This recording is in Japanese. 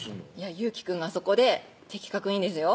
祐樹くんがそこで的確にですよ